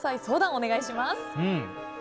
相談、お願いします。